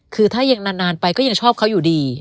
คือถ้ายังนานไปก็ยังชอบเขาอยู่ดี